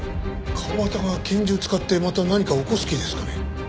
川端が拳銃使ってまた何か起こす気ですかね？